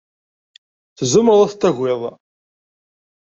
Tzemreḍ ad t-tagiḍ?